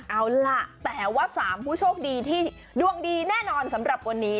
เอาล่ะแต่ว่า๓ผู้โชคดีที่ดวงดีแน่นอนสำหรับวันนี้